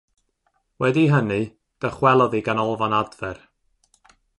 Wedi hynny dychwelodd i ganolfan adfer.